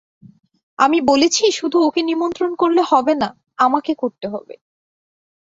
আমি বলেছি শুধু ওকে নিমন্ত্রণ করলে হবে না, আমাকে করতে হবে।